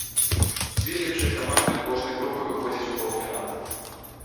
Дзве лепшыя каманды кожнай групы выходзяць у паўфінал.